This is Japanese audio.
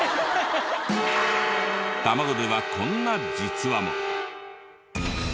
卵ではこんな「実は」も。